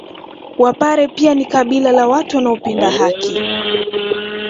Wapare pia ni kabila la watu wanaopenda haki